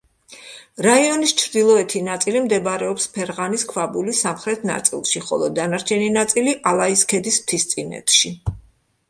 რაიონის ჩრდილოეთი ნაწილი მდებარეობს ფერღანის ქვაბულის სამხრეთ ნაწილში, ხოლო დანარჩენი ნაწილი ალაის ქედის მთისწინეთში.